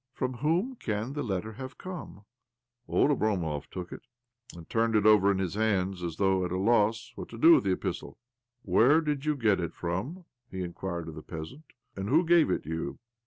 " From whom can the letter have come? " Old Oblomov took it, and turned it over in his hands, as though at a loss what to do with the epistle. ' Where did you get it from?" he in quired of the peasant. ' And who gave it you?"